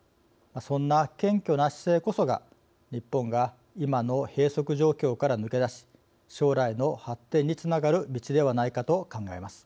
そんな謙虚な姿勢こそが日本が今の閉塞状況から抜け出し将来の発展につながる道ではないかと考えます。